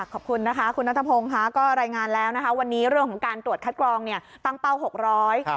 ขอบคุณคุณนัทพงศ์ค่ะก็รายงานแล้ววันนี้เรื่องของการตรวจคัดกรองตั้งเป้า๖๐๐